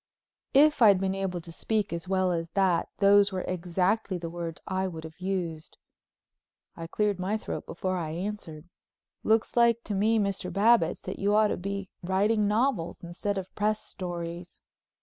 If I'd been able to speak as well as that those were exactly the words I would have used. I cleared my throat before I answered. "Looks like to me, Mr. Babbitts, that you ought to be writing novels instead of press stories."